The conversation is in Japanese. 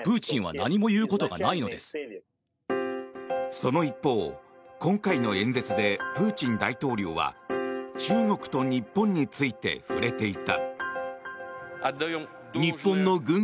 その一方今回の演説でプーチン大統領は中国と日本について触れていた。